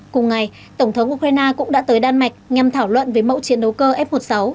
cùng ngày tổng thống ukraine cũng đã tới đan mạch nhằm thảo luận về mẫu chiến đấu cơ f một mươi sáu